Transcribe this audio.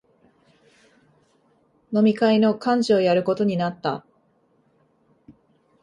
飲み会の幹事をやることになった